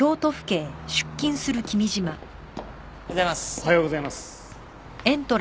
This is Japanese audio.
おはようございます。